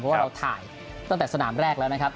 เพราะว่าเราถ่ายตั้งแต่สนามแรกแล้วนะครับ